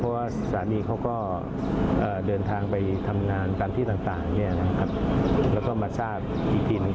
เพราะว่าสามีเขาก็เดินทางไปทำงานตามที่ต่างแล้วก็มาทราบอีกทีหนึ่ง